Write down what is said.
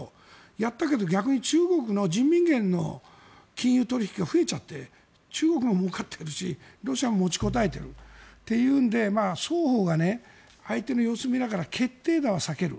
やったけど逆に中国の人民元の取引が増えちゃって中国がもうかってロシアも持ちこたえているというので双方が相手の様子を見ながら決定打は避ける。